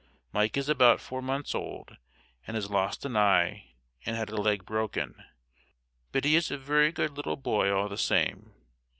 Mike is about four months old and has lost an eye and had a leg broken, but he is a very good little boy all the same.